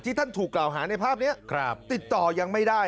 ท่านถูกกล่าวหาในภาพนี้ติดต่อยังไม่ได้